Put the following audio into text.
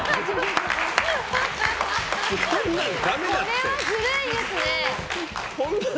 これはずるいですね！